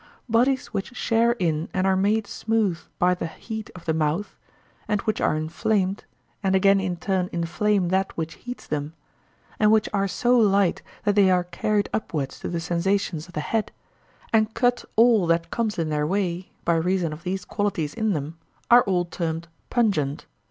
Bodies which share in and are made smooth by the heat of the mouth, and which are inflamed, and again in turn inflame that which heats them, and which are so light that they are carried upwards to the sensations of the head, and cut all that comes in their way, by reason of these qualities in them, are all termed pungent.